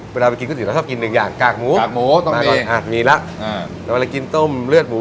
เวลาไปกินก๋วยเตี๋ยวเราชอบกินหนึ่งอย่างกากหมูมีละแต่เวลากินต้มเลือดหมู